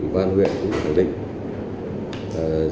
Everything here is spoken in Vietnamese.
văn huyện cũng khẳng định